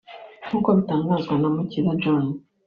nk’uko bitangazwa na Mukiza John